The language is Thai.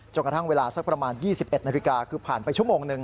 กระทั่งเวลาสักประมาณ๒๑นาฬิกาคือผ่านไปชั่วโมงหนึ่ง